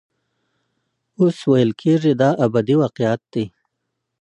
اوس ویل کېږي دا ابدي واقعیت دی.